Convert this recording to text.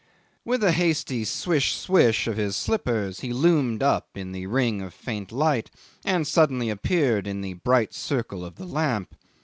'With a hasty swish swish of his slippers he loomed up in the ring of faint light, and suddenly appeared in the bright circle of the lamp.